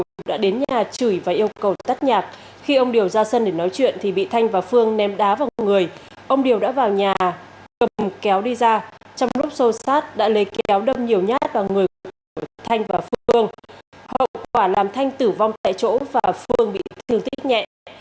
dũng đã đến nhà chửi và yêu cầu tắt nhạc khi ông điều ra sân để nói chuyện thì bị thanh và phương ném đá vào người ông điều đã vào nhà cầm kéo đi ra trong lúc xô sát đã lấy kéo đâm nhiều nhát vào người của thanh và phương hậu quả làm thanh tử vong tại chỗ và phương bị thương tích nhẹ